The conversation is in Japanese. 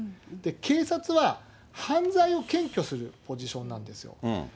警察は犯罪を検挙するポジションなんです。